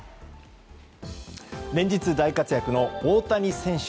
連日大活躍の大谷選手。